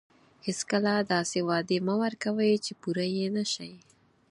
هیڅکله داسې وعدې مه ورکوئ چې پوره یې نه شئ.